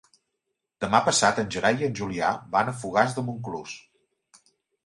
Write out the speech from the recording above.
Demà passat en Gerai i en Julià van a Fogars de Montclús.